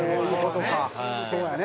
そうやね」